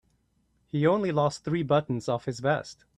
He only lost three buttons off his vest.